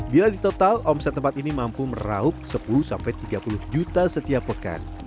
bila di total omset tempat ini mampu meraup sepuluh tiga puluh juta setiap pekan